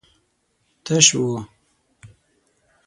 تش و.